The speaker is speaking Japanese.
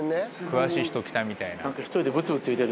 詳しい人来たみたいな。